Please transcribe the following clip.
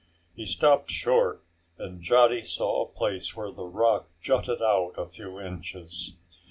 He stopped short and Johnny saw a place where the rock jutted out a few inches.